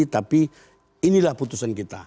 tapi inilah putusan kita